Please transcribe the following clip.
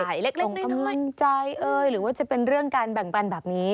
ส่งกำลังใจเอ้ยหรือว่าจะเป็นเรื่องการแบ่งปันแบบนี้